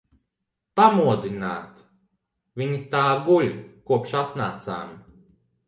Pamodināt? Viņa tā guļ, kopš atnācām.